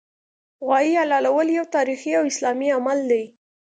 غوايي حلالول یو تاریخي او اسلامي عمل دی